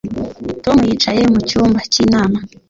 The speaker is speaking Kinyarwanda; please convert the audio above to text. Tom yicaye mu cyumba cyinama